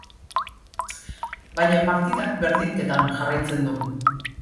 Baina, partidak berdinketan jarraitzen du.